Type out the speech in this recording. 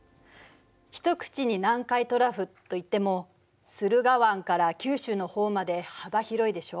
一口に南海トラフといっても駿河湾から九州の方まで幅広いでしょ？